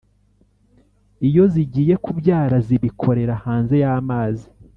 iyo zigiye kubyara zibikorera hanze y’amazi.